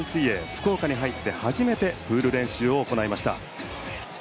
福岡に入って初めてプール練習を行いました。